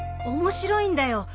面白いんだよ。